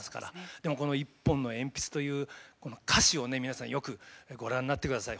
でも「一本の鉛筆」というこの歌詞をね皆さんよくご覧になってください。